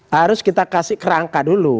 harus kita kasih kerangka dulu